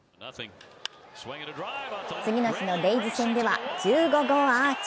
次の日のレイズ戦では１５号アーチ。